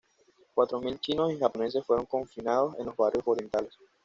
Cuatro mil chinos y japoneses fueron confinados en los barrios orientales.